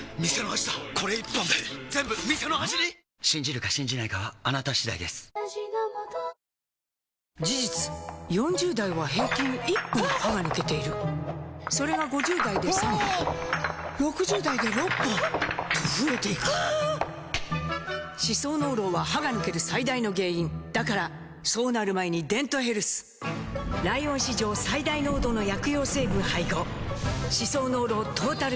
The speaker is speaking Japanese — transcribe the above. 信じるか信じないかはあなた次第です事実４０代は平均１本歯が抜けているそれが５０代で３本６０代で６本と増えていく歯槽膿漏は歯が抜ける最大の原因だからそうなる前に「デントヘルス」ライオン史上最大濃度の薬用成分配合歯槽膿漏トータルケア！